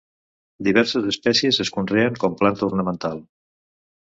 Diverses espècies es conreen com planta ornamental.